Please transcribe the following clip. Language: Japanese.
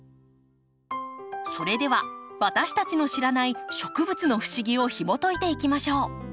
それでは私たちの知らない植物の不思議をひもといていきましょう。